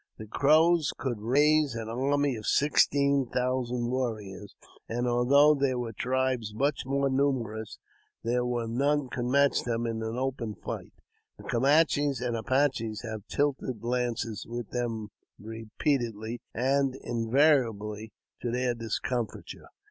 The Crows could raise an army of sixteen thousand warriors, and, although there were tribes much more numerous, there were none could match them in an open fight. The Camanches and Apaches have tilted lances with them repeatedly, and in variably to their discomfiture.